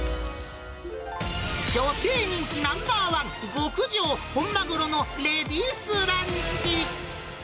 女性人気ナンバー１、極上本マグロのレディースランチ。